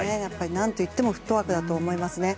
何といってもフットワークだと思いますね。